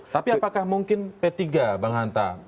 tapi apakah mungkin p tiga bang hanta